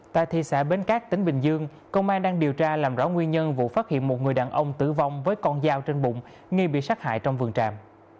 tại thị xã bến cát tỉnh bình dương công an đang điều tra làm rõ nguyên nhân vụ phát hiện một người đàn ông tử vong với con dao trên bụng nghi bị sát hại trong vườn tràm